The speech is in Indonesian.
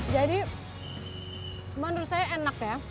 jadi menurut saya enak ya